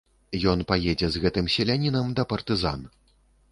Ён паедзе з гэтым селянінам да партызан.